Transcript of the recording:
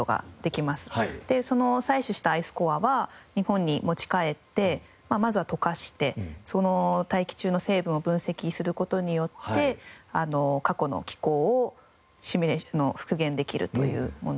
その採取したアイスコアは日本に持ち帰ってまずは溶かして大気中の成分を分析する事によって過去の気候を復元できるというものですね。